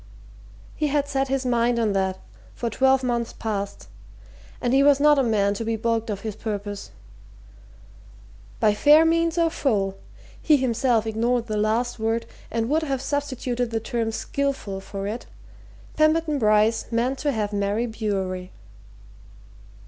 He had set his mind on that for twelve months past, and he was not a man to be baulked of his purpose. By fair means, or foul he himself ignored the last word and would have substituted the term skilful for it Pemberton Bryce meant to have Mary Bewery.